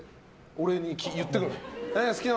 俺に言ってくるの。